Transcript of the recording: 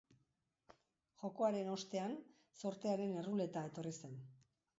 Jokoaren ostean, zortearen erruleta etorri zen.